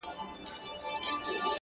مثبت فکر ذهن روښانه ساتي.!